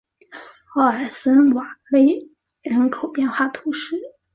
奥尔森瓦勒人口变化图示